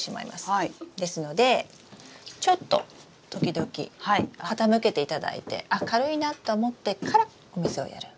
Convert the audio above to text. ですのでちょっと時々傾けていただいてあ軽いなと思ってからお水をやる。